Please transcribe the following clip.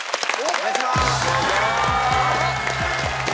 お願いします。